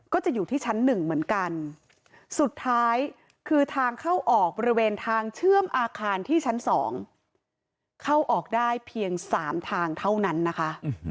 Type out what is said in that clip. ก็จะอยู่ที่ชั้น๑เหมือนกันสุดท้ายคือทางเข้าออกบริเวณทางเชื่อมอาคารที่ชั้น๒เข้าออกได้เพียง๓ทางเท่านั้นนะคะ